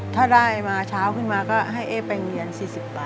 ถ้าได้มาเช้าขึ้นมาก็ให้เอ๊ไปโรงเรียน๔๐บาท